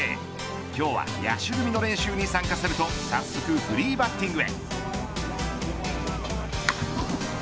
今日は野手組の練習に参加すると早速フリーバッティングへ。